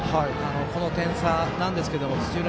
この点差なんですけど土浦